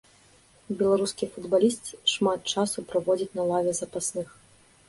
Беларускі футбаліст шмат часу праводзіць на лаве запасных.